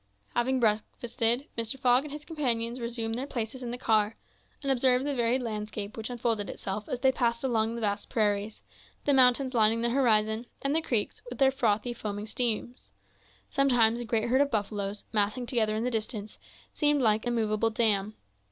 Having breakfasted, Mr. Fogg and his companions resumed their places in the car, and observed the varied landscape which unfolded itself as they passed along the vast prairies, the mountains lining the horizon, and the creeks, with their frothy, foaming streams. Sometimes a great herd of buffaloes, massing together in the distance, seemed like a moveable dam.